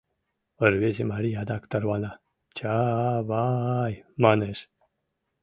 Рвезе марий адак тарвана, «Ча-ава-а-ай!» манеш.